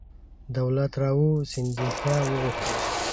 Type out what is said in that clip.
دولت راو سیندهیا وغوښتل.